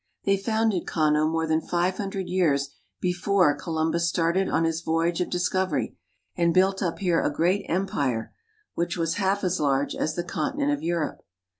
They founded Kano more than five hundred years before Columbus started on his voyage of discovery, and built up here a great empire, which was half as large as the conti IN THE LAND OF THE HAUSAS "75 nent of Europe.